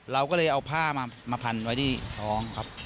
เราก็เลยเอาผ้ามาพันไว้ที่ท้องครับ